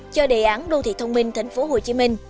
cho đề án đô thị thông minh tp hcm